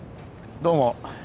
どうも。